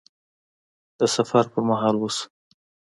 د سفر پر مهال وشو